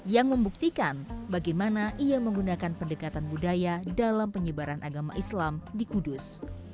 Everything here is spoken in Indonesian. yang membuktikan bagaimana ia menggunakan pendekatan budaya dalam penyebaran agama islam di kudus